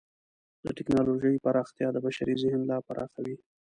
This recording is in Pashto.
د ټکنالوجۍ پراختیا د بشري ذهن لا پراخوي.